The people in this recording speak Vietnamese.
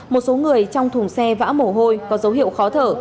một số người trong thùng xe vã mổ hôi có dấu hiệu khó thở